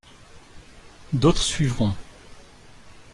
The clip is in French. D’autres suivront.